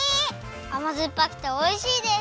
あまずっぱくておいしいです！